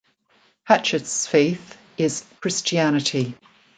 Hatchett's faith is Christianity.